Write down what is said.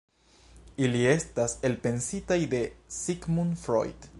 Ili estas elpensitaj de Sigmund Freud.